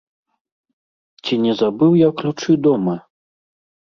Ці не забыў я ключы дома?